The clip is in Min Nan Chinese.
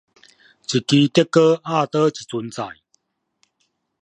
一枝竹篙壓倒一船載